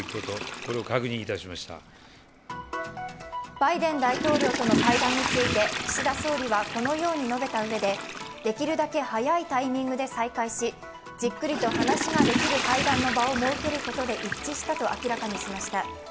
バイデン大統領との会談について岸田総理は、このように述べたうえで、できるだけ早いタイミングで再会し、じっくりと話ができる会談の場を設けることで一致したと明らかにしました。